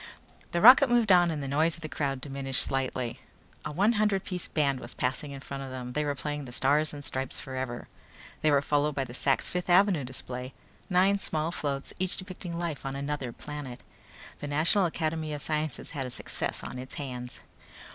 The rocket moved on and the noise of the crowd diminished slightly. A one hundred piece brass band was passing in front of them. They were playing "The Stars and Stripes Forever." They were followed by the Sak's Fifth Avenue display; nine small floats, each depicting life on another planet. The National Academy of Sciences had a success on its hands.